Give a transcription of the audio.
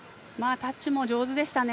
タッチも上手でしたね。